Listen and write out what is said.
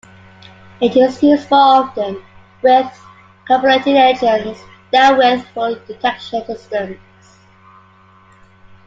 It is used more often with carbureted engines than with fuel injection systems.